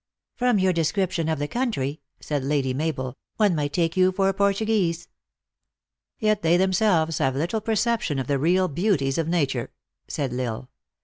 " From your description of the country," said Lady Mabel, " one might take you for a Portuguese." " Yd they themselves have little perception of the real beauties of nature," said L Isle.